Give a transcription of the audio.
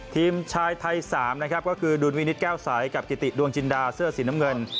ทีมชายไทย๓นะครับก็คือดุลวินิตแก้วใสกับกิติดวงจินดาเสื้อสีน้ำเงิน